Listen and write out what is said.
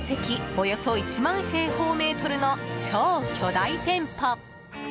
およそ１万平方メートルの超巨大店舗。